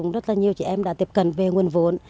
rất là nhiều chị em đã tiếp cận về nguồn vốn